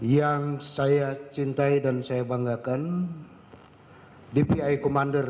yang saya cintai dan saya banggakan dvi commander